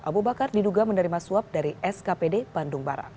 abu bakar diduga menerima suap dari skpd bandung barat